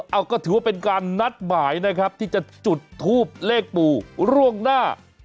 เอาก็ถือว่าเป็นการนัดหมายนะครับที่จะจุดทูบเลขปู่ล่วงหน้า